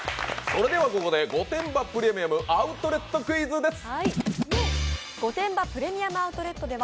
それではここで御殿場プレミアム・アウトレットクイズです。